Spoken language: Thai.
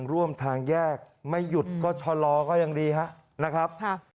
ร่วมทางแยกไม่หยุดก็ชะลอก็ยังดีครับนะครับ